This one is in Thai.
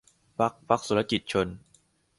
พรรคพรรคสุจริตชน